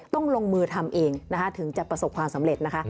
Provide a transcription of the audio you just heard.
ต้องลงมือทำเองนะคะถึงจะประสบความสำเร็จนะคะ